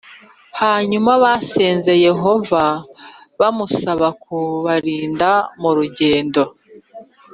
Hanyuma basenze Yehova bamusaba kubarinda mu rugendo